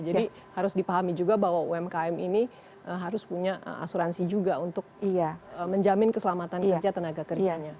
jadi harus dipahami juga bahwa umkm ini harus punya asuransi juga untuk menjamin keselamatan kerja tenaga kerjanya